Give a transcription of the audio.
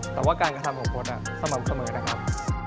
แต่ว่าการกระทำของพจน์สม่ำเสมอนะครับ